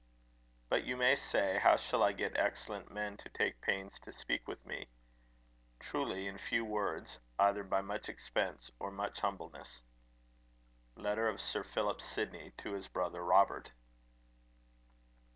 But you may say, "How shall I get excellent men to take pains to speak with me?" Truly, in few words, either by much expense or much humbleness. Letter of Sir Philip Sidney to his brother Robert.